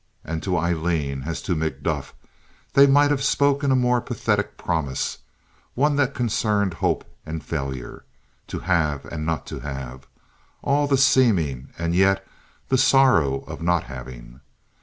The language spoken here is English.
And to Aileen, as to Macduff, they might have spoken a more pathetic promise, one that concerned hope and failure. To have and not to have! All the seeming, and yet the sorrow of not having!